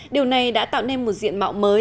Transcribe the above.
điều này đã tạo nên một diện mạo mới